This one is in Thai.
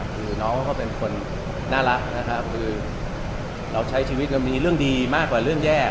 คือน้องเขาเป็นคนน่ารักเราใช้ชีวิตว่ามีเรื่องดีมากกว่าเรื่องแย่